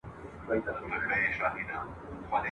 طبیب غوښي وې د چرګ ور فرمایلي ..